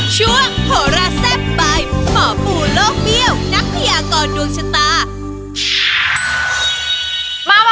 สวัสดีครับ